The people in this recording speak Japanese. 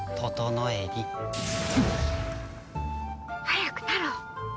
早くタロウ！